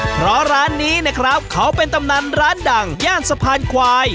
เพราะร้านนี้นะครับเขาเป็นตำนานร้านดังย่านสะพานควาย